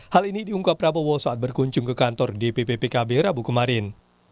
hal ini diungkap prabowo saat berkunjung ke kantor dpp pkb rabu kemarin